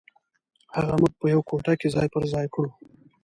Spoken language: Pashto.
هغه موږ په یوه کوټه کې ځای پر ځای کړو.